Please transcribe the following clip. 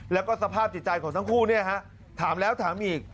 และก็สภาพติดใจของทั้งคู่ถามแล้วถามอีก